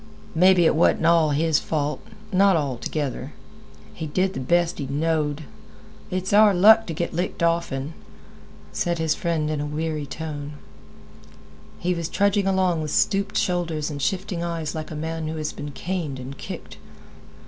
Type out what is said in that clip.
"Mebbe, it wa'n't all his fault—not all together. He did th' best he knowed. It's our luck t' git licked often," said his friend in a weary tone. He was trudging along with stooped shoulders and shifting eyes like a man who has been caned and kicked.